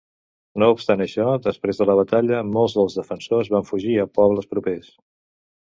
No obstant això, després de la batalla, molts dels defensors van fugir a pobles propers.